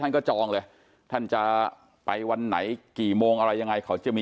ท่านก็จองเลยท่านจะไปวันไหนกี่โมงอะไรยังไงเขาจะมี